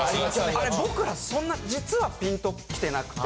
あれ僕らそんな実はピンと来てなくて。